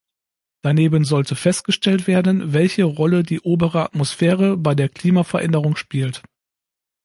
Daneben sollte festgestellt werden, welche Rolle die obere Atmosphäre bei der Klimaveränderung spielt.